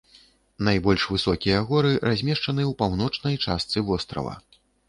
Найбольш высокія горы размешчаны ў паўночнай частцы вострава.